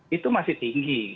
itu masih tinggi